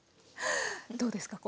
どうですか？